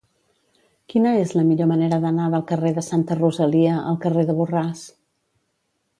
Quina és la millor manera d'anar del carrer de Santa Rosalia al carrer de Borràs?